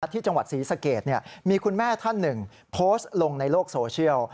ที่จังหวัดศรีสะเกดมีคุณแม่ท่านหนึ่งโพสต์ลงในโลกโซเชียล